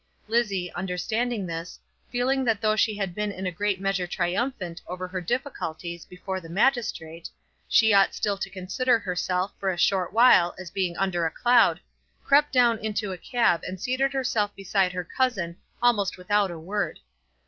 Lizzie, understanding this, feeling that though she had been in a great measure triumphant over her difficulties before the magistrate, she ought still to consider herself, for a short while, as being under a cloud, crept down into the cab and seated herself beside her cousin almost without a word.